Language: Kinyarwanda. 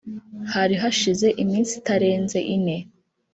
Hari hashize iminsi itarenze ine